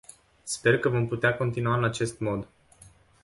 Sper că vom putea continua în acest mod.